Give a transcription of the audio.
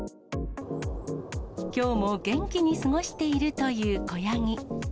きょうも元気に過ごしているという子ヤギ。